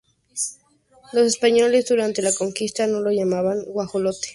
Los españoles durante la Conquista no lo llamaban guajolote sino gallina.